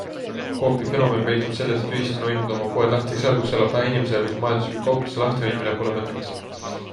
Coopi fenomen peitub selles, et ühistu on hoidnud oma poed lahti ka seal, kus elab vähe inimesi ja kus majanduslikult kaupluse lahtihoidmine pole mõttekas.